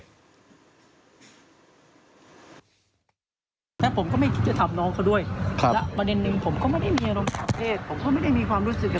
ใช่จริงว่าเป็นคนที่นัดผมมา